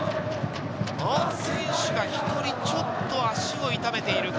選手が１人ちょっと足を痛めているか。